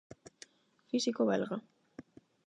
Físico belga.